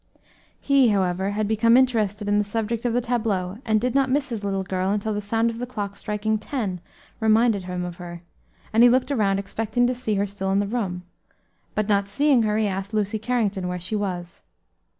He, however, had become interested in the subject of the tableaux, and did not miss his little girl until the sound of the clock striking ten reminded him of her, and he looked around expecting to see her still in the room; but, not seeing her, he asked Lucy Carrington where she was.